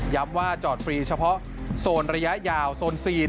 ว่าจอดฟรีเฉพาะโซนระยะยาวโซนซีน